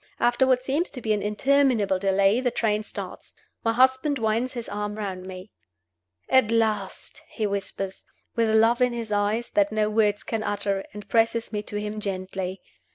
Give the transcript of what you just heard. After what seems to be an interminable delay the train starts. My husband winds his arm round me. "At last!" he whispers, with love in his eyes that no words can utter, and presses me to him gently.